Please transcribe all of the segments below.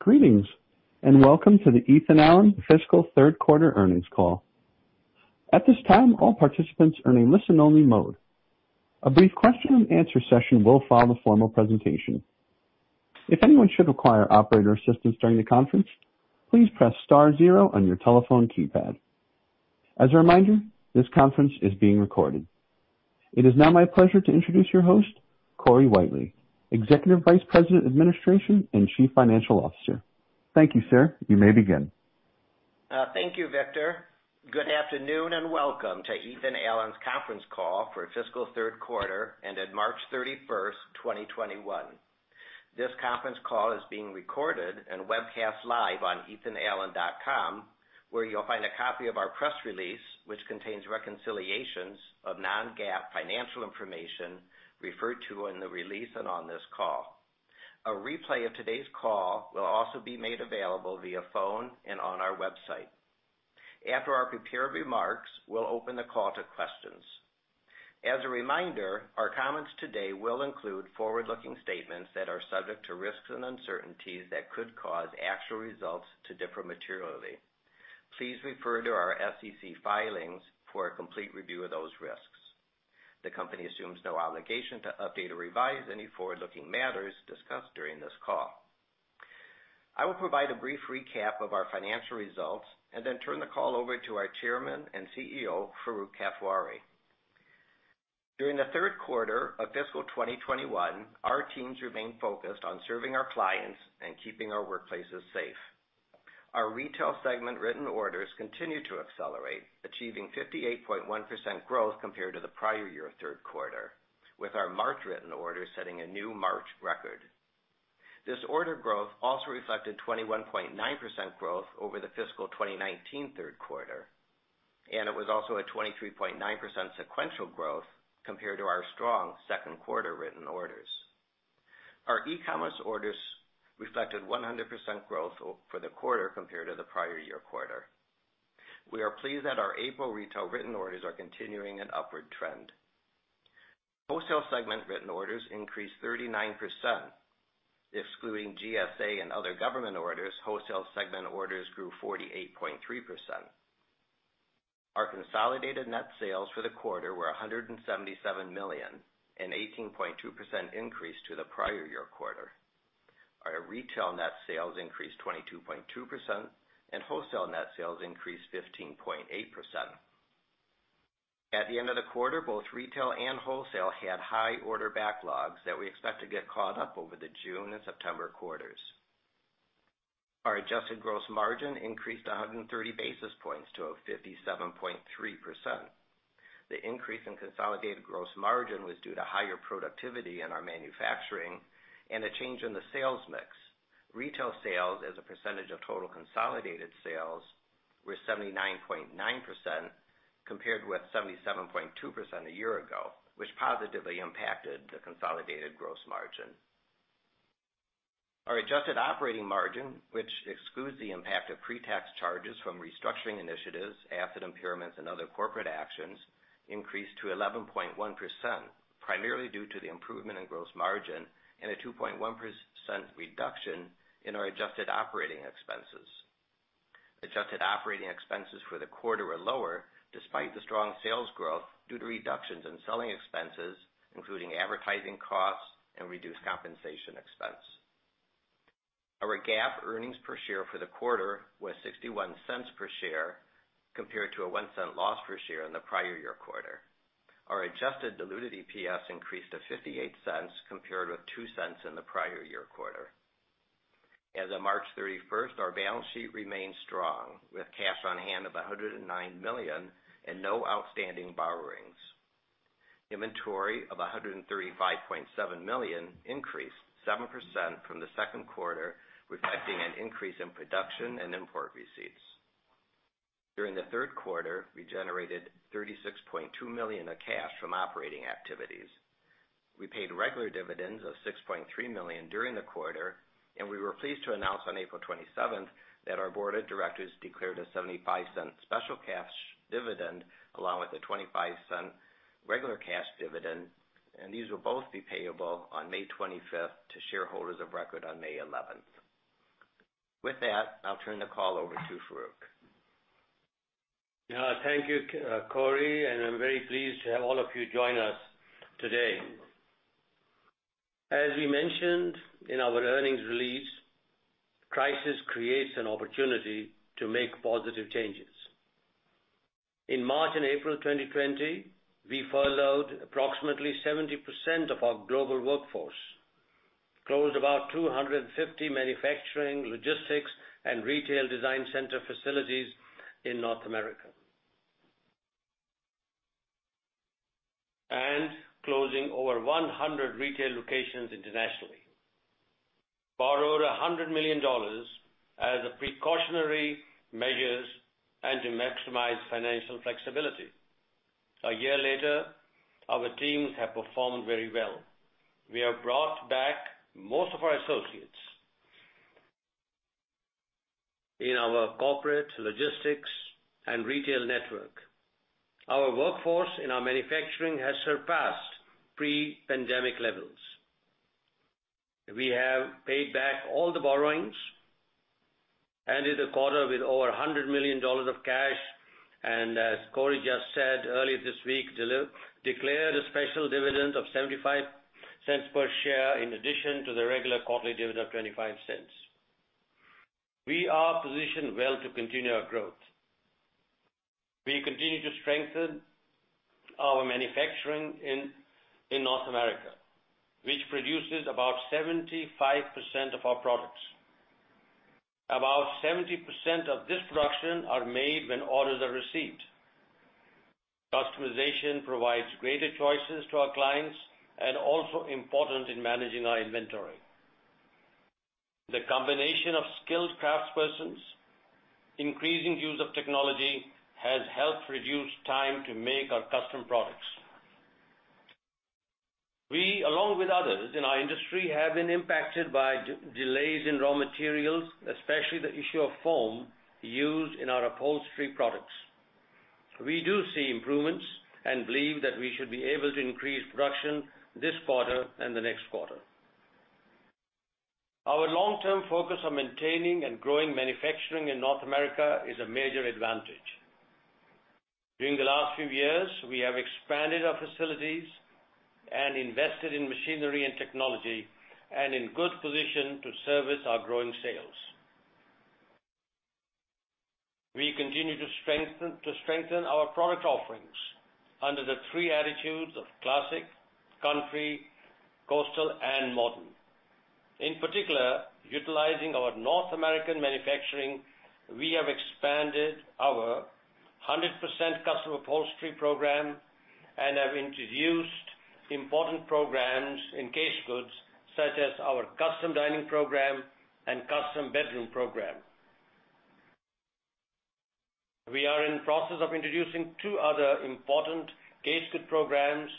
Greetings, and welcome to the Ethan Allen fiscal third quarter earnings call. At this time, all participants are in listen only mode. A brief question and answer session will follow the formal presentation. If anyone should require operator assistance during the conference, please press star zero on your telephone keypad. As a reminder, this conference is being recorded. It is now my pleasure to introduce your host, Corey Whitely, Executive Vice President of Administration and Chief Financial Officer. Thank you, sir. You may begin. Thank you, Victor. Good afternoon, and welcome to Ethan Allen's conference call for fiscal third quarter ended March 31st, 2021. This conference call is being recorded and webcast live on ethanallen.com, where you'll find a copy of our press release, which contains reconciliations of non-GAAP financial information referred to in the release and on this call. A replay of today's call will also be made available via phone and on our website. After our prepared remarks, we'll open the call to questions. As a reminder, our comments today will include forward-looking statements that are subject to risks and uncertainties that could cause actual results to differ materially. Please refer to our SEC filings for a complete review of those risks. The company assumes no obligation to update or revise any forward-looking matters discussed during this call. I will provide a brief recap of our financial results and then turn the call over to our Chairman and CEO, Farooq Kathwari. During the third quarter of fiscal 2021, our teams remained focused on serving our clients and keeping our workplaces safe. Our retail segment written orders continued to accelerate, achieving 58.1% growth compared to the prior year third quarter, with our March written orders setting a new March record. This order growth also reflected 21.9% growth over the fiscal 2019 third quarter, and it was also a 23.9% sequential growth compared to our strong second quarter written orders. Our e-commerce orders reflected 100% growth for the quarter compared to the prior year quarter. We are pleased that our April retail written orders are continuing an upward trend. Wholesale segment written orders increased 39%, excluding GSA and other government orders, wholesale segment orders grew 48.3%. Our consolidated net sales for the quarter were $177 million, an 18.2% increase to the prior year quarter. Our retail net sales increased 22.2%. Wholesale net sales increased 15.8%. At the end of the quarter, both retail and wholesale had high order backlogs that we expect to get caught up over the June and September quarters. Our adjusted gross margin increased 130 basis points to a 57.3%. The increase in consolidated gross margin was due to higher productivity in our manufacturing and a change in the sales mix. Retail sales as a percentage of total consolidated sales were 79.9% compared with 77.2% a year ago, which positively impacted the consolidated gross margin. Our adjusted operating margin, which excludes the impact of pre-tax charges from restructuring initiatives, asset impairments, and other corporate actions, increased to 11.1%, primarily due to the improvement in gross margin and a 2.1% reduction in our adjusted operating expenses. Adjusted operating expenses for the quarter are lower, despite the strong sales growth due to reductions in selling expenses, including advertising costs and reduced compensation expense. Our GAAP earnings per share for the quarter was $0.61 per share compared to a $0.01 loss per share in the prior year quarter. Our adjusted diluted EPS increased to $0.58 compared with $0.02 in the prior year quarter. As of March 31st, our balance sheet remains strong, with cash on hand of $109 million and no outstanding borrowings. Inventory of $135.7 million increased 7% from the second quarter, reflecting an increase in production and import receipts. During the third quarter, we generated $36.2 million of cash from operating activities. We paid regular dividends of $6.3 million during the quarter, and we were pleased to announce on April 27th that our board of directors declared a $0.75 special cash dividend, along with a $0.25 regular cash dividend, and these will both be payable on May 25th to shareholders of record on May 11th. With that, I'll turn the call over to Farooq. Thank you, Corey. I'm very pleased to have all of you join us today. As we mentioned in our earnings release, crisis creates an opportunity to make positive changes. In March and April 2020, we furloughed approximately 70% of our global workforce, closed about 250 manufacturing, logistics, and retail design center facilities in North America, closing over 100 retail locations internationally, borrowed $100 million as a precautionary measure and to maximize financial flexibility. A year later, our teams have performed very well. We have brought back most of our associates. In our corporate logistics and retail network. Our workforce in our manufacturing has surpassed pre-pandemic levels. We have paid back all the borrowings, ended the quarter with over $100 million of cash, and as Corey just said earlier this week, declared a special dividend of $0.75 per share in addition to the regular quarterly dividend of $0.25. We are positioned well to continue our growth. We continue to strengthen our manufacturing in North America, which produces about 75% of our products. About 70% of this production are made when orders are received. Customization provides greater choices to our clients and also important in managing our inventory. The combination of skilled craftspersons, increasing use of technology, has helped reduce time to make our custom products. We, along with others in our industry, have been impacted by delays in raw materials, especially the issue of foam used in our upholstery products. We do see improvements and believe that we should be able to increase production this quarter and the next quarter. Our long-term focus on maintaining and growing manufacturing in North America is a major advantage. During the last few years, we have expanded our facilities and invested in machinery and technology, and in good position to service our growing sales. We continue to strengthen our product offerings under the three attitudes of classic, country, coastal, and modern. In particular, utilizing our North American manufacturing, we have expanded our 100% Custom Upholstery Program and have introduced important programs in case goods such as our Custom Dining Program and Custom Bedroom Program. We are in process of introducing two other important case good programs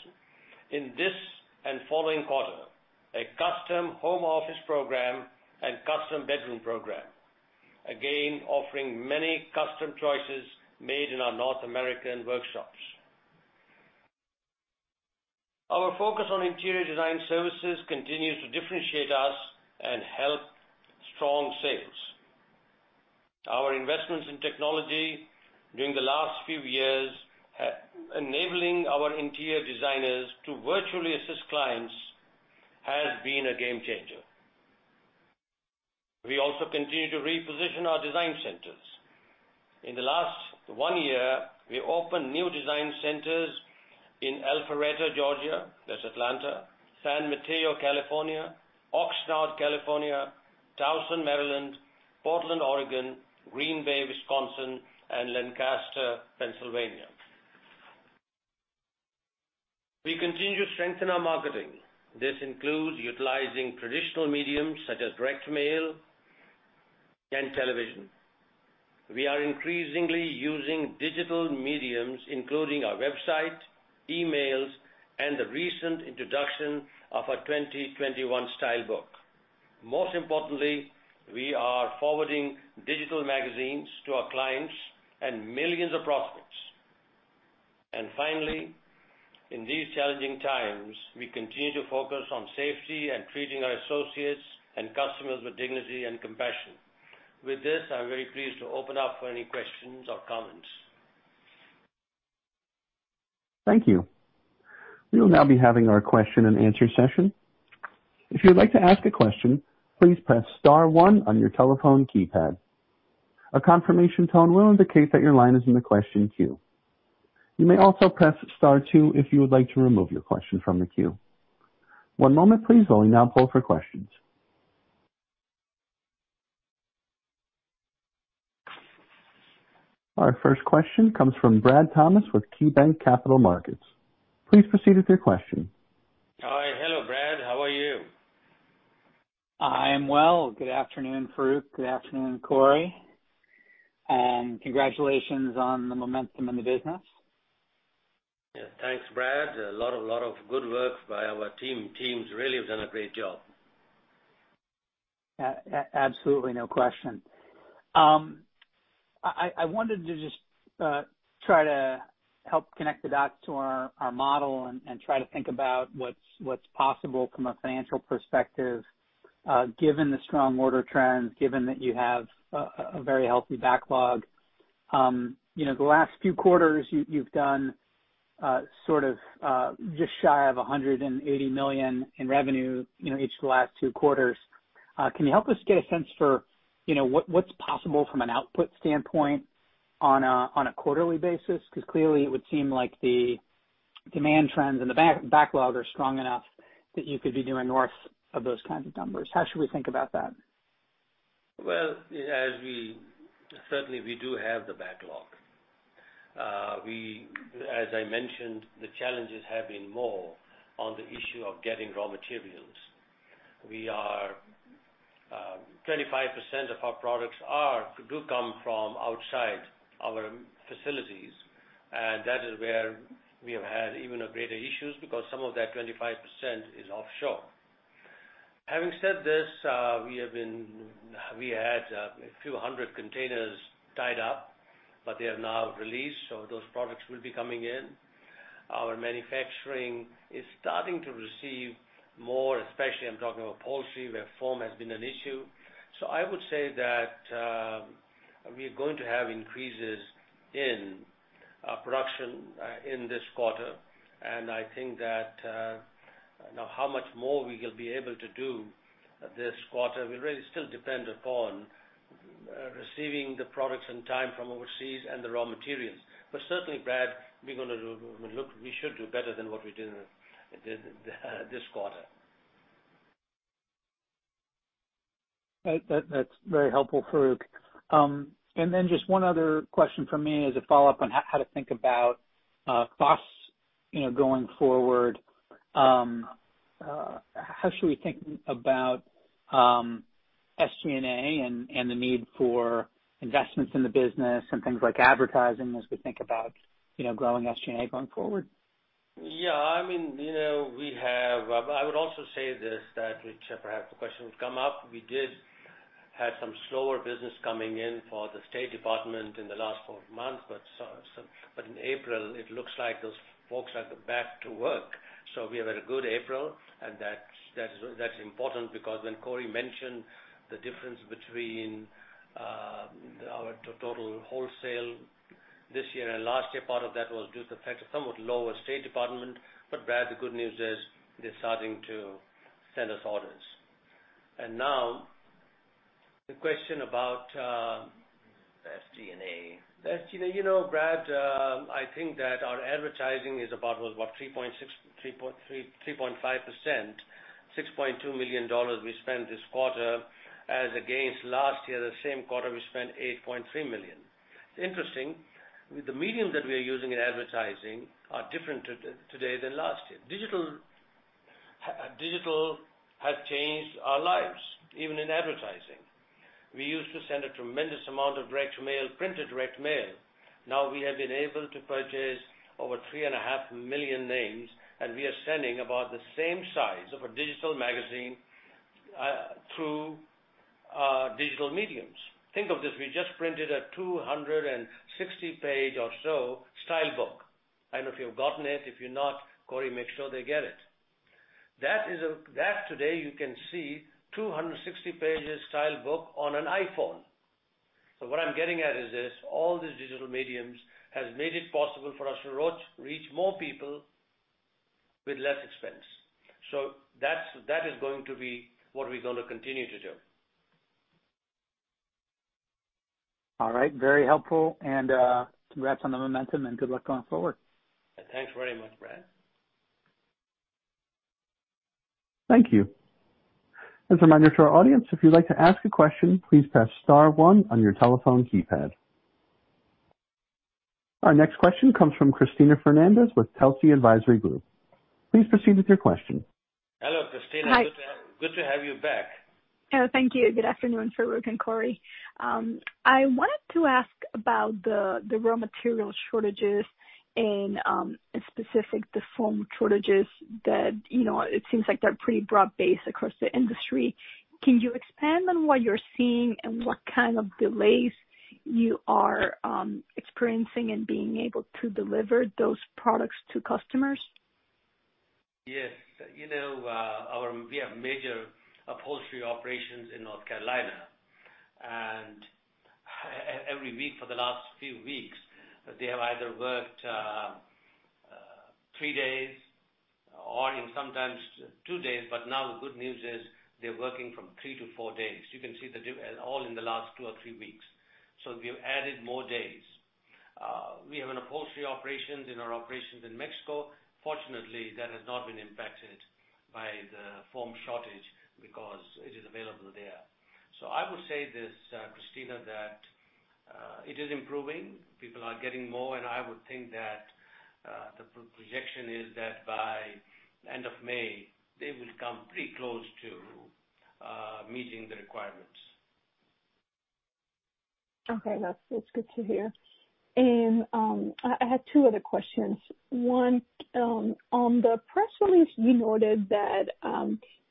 in this and following quarter, a Custom Home Office Program and Custom Bedroom Program, again, offering many custom choices made in our North American workshops. Our focus on interior design services continues to differentiate us and help strong sales. Our investments in technology during the last few years, enabling our interior designers to virtually assist clients, has been a game changer. We also continue to reposition our design centers. In the last one year, we opened new design centers in Alpharetta, Georgia, that's Atlanta, San Mateo, California, Oxnard, California, Towson, Maryland, Portland, Oregon, Green Bay, Wisconsin, and Lancaster, Pennsylvania. We continue to strengthen our marketing. This includes utilizing traditional mediums such as direct mail and television. We are increasingly using digital mediums including our website, emails, and the recent introduction of our 2021 style book. Most importantly, we are forwarding digital magazines to our clients and millions of prospects. Finally, in these challenging times, we continue to focus on safety and treating our associates and customers with dignity and compassion. With this, I'm very pleased to open up for any questions or comments. Thank you. We will now be having our question and answer session. If you'd like to ask a question, please press star one on your telephone keypad. A confirmation tone will indicate that your line is in the question queue. You may also press star two if you would like to remove your question from the queue. One moment, please, while we now pull for questions. Our first question comes from Bradley Thomas with KeyBanc Capital Markets. Please proceed with your question. Hi. Hello, Brad. How are you? I am well. Good afternoon, Farooq. Good afternoon, Corey. Congratulations on the momentum in the business. Yeah. Thanks, Brad. A lot of good work by our teams. Really have done a great job. Yeah. Absolutely. No question. I wanted to just try to help connect the dots to our model and try to think about what's possible from a financial perspective, given the strong order trends, given that you have a very healthy backlog. The last few quarters, you've done sort of just shy of $180 million in revenue in each of the last two quarters. Can you help us get a sense for what's possible from an output standpoint on a quarterly basis? Clearly it would seem like the demand trends and the backlog are strong enough that you could be doing north of those kinds of numbers. How should we think about that? Well, certainly, we do have the backlog. As I mentioned, the challenges have been more on the issue of getting raw materials. 25% of our products do come from outside our facilities, and that is where we have had even a greater issues because some of that 25% is offshore. Having said this, we had a few hundred containers tied up, but they are now released, so those products will be coming in. Our manufacturing is starting to receive more, especially I'm talking about upholstery, where foam has been an issue. I would say that we're going to have increases in our production in this quarter. I think that how much more we will be able to do this quarter will really still depend upon receiving the products in time from overseas and the raw materials. Certainly, Brad, we should do better than what we did this quarter. That's very helpful, Farooq. Just one other question from me as a follow-up on how to think about costs going forward. How should we think about SG&A and the need for investments in the business and things like advertising as we think about growing SG&A going forward? Yeah. I would also say this, that which perhaps the question would come up, we did have some slower business coming in for the State Department in the last four months. In April, it looks like those folks are back to work. We have had a good April, and that's important because when Corey mentioned the difference between our total wholesale this year and last year, part of that was due to the fact of somewhat lower State Department. Brad, the good news is they're starting to send us orders. SG&A SG&A. Brad, I think that our advertising is about what, 3.5%, $6.2 million we spent this quarter as against last year, the same quarter we spent $8.3 million. It's interesting. The medium that we are using in advertising are different today than last year. Digital has changed our lives, even in advertising. We used to send a tremendous amount of direct mail, printed direct mail. We have been able to purchase over 3.5 million names, and we are sending about the same size of a digital magazine through digital mediums. Think of this, we just printed a 260-page or so style book. I don't know if you've gotten it, if you're not, Corey, make sure they get it. Today you can see 260 pages style book on an iPhone. What I'm getting at is this, all these digital mediums has made it possible for us to reach more people with less expense. That is going to be what we're going to continue to do. All right. Very helpful. Congrats on the momentum and good luck going forward. Thanks very much, Brad. Thank you. As a reminder to our audience, if you'd like to ask a question, please press star one on your telephone keypad. Our next question comes from Cristina Fernández with Telsey Advisory Group. Please proceed with your question. Hello, Cristina. Hi. Good to have you back. Thank you. Good afternoon, Farooq and Corey. I wanted to ask about the raw material shortages and, specifically, the foam shortages that it seems like they're pretty broad-based across the industry. Can you expand on what you're seeing and what kind of delays you are experiencing in being able to deliver those products to customers? Yes. We have major upholstery operations in North Carolina. Every week for the last few weeks, they have either worked three days or even sometimes two days. Now the good news is they're working from three to four days. You can see the diff at all in the last two or three weeks. We have added more days. We have an upholstery operations in our operations in Mexico. Fortunately, that has not been impacted by the foam shortage because it is available there. I would say this, Cristina, that it is improving. People are getting more, and I would think that the projection is that by end of May, they will come pretty close to meeting the requirements. Okay. That's good to hear. I had two other questions. One, on the press release, you noted that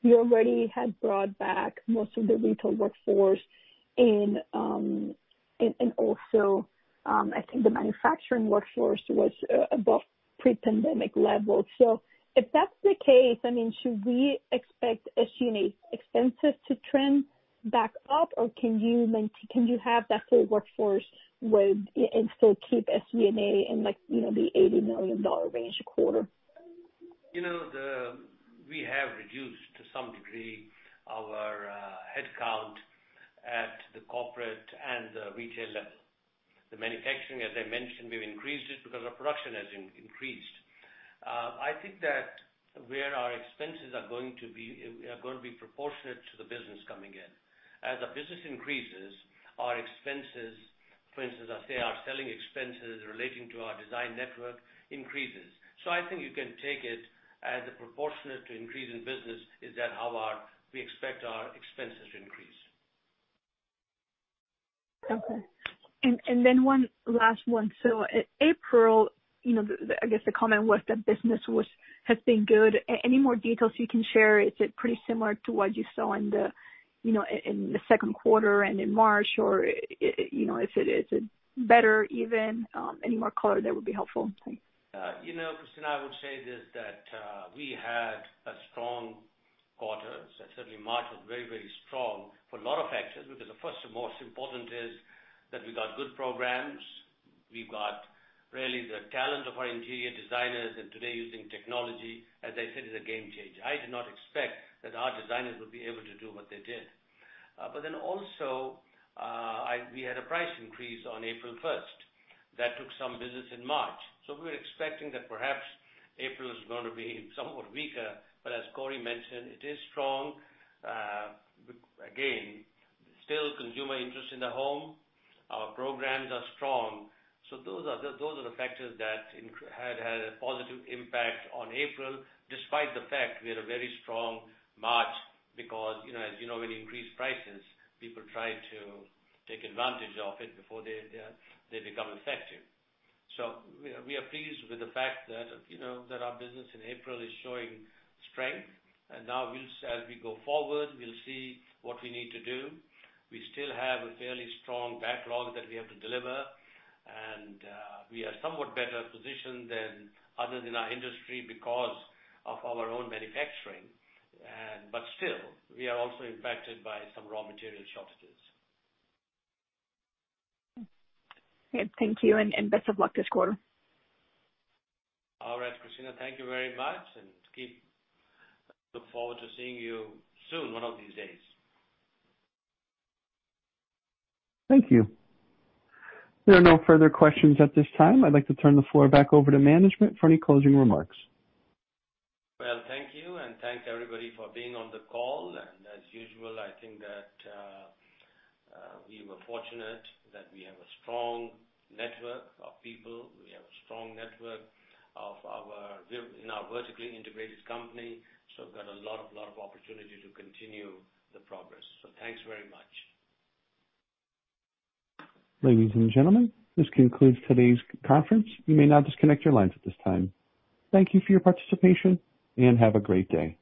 you already had brought back most of the retail workforce and also, I think the manufacturing workforce was above pre-pandemic levels. If that's the case, should we expect SG&A expenses to trend back up, or can you have that full workforce and still keep SG&A in the $80 million range a quarter? We have reduced to some degree our headcount at the corporate and the retail level. The manufacturing, as I mentioned, we've increased it because our production has increased. I think that where our expenses are going to be proportionate to the business coming in. As our business increases, our expenses, for instance, say our selling expenses relating to our design network, increases. I think you can take it as a proportionate to increase in business is that how we expect our expenses to increase. Okay. One last one. In April, I guess the comment was that business has been good. Any more details you can share? Is it pretty similar to what you saw in the second quarter and in March, or is it better even? Any more color there would be helpful. Thanks. Cristina, I would say this, that we had a strong quarter. Certainly March was very strong for a lot of factors, because the first and most important is that we got good programs. We've got really the talent of our interior designers. Today using technology, as I said, is a game changer. I did not expect that our designers would be able to do what they did. Also, we had a price increase on April 1st. That took some business in March. We're expecting that perhaps April is going to be somewhat weaker. As Corey mentioned, it is strong. Again, still consumer interest in the home. Our programs are strong. Those are the factors that had a positive impact on April, despite the fact we had a very strong March because, as you know, when you increase prices, people try to take advantage of it before they become effective. We are pleased with the fact that our business in April is showing strength, and now as we go forward, we'll see what we need to do. We still have a fairly strong backlog that we have to deliver, and we are somewhat better positioned than others in our industry because of our own manufacturing. Still, we are also impacted by some raw material shortages. Good. Thank you, and best of luck this quarter. All right, Cristina, thank you very much, and look forward to seeing you soon, one of these days. Thank you. There are no further questions at this time. I'd like to turn the floor back over to management for any closing remarks. Well, thank you, and thanks, everybody, for being on the call. As usual, I think that we were fortunate that we have a strong network of people. We have a strong network in our vertically integrated company. We've got a lot of opportunity to continue the progress. Thanks very much. Ladies and gentlemen, this concludes today's conference. You may now disconnect your lines at this time. Thank you for your participation, and have a great day.